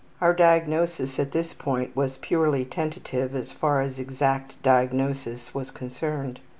Our diagnosis at this time was purely tentative as far as exact diagnosis was concerned.